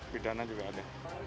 pidana juga ada